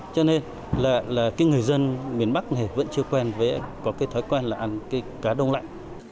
cho nên là cái người dân miền bắc này vẫn chưa quen với có cái thói quen là ăn cái cá đông lạnh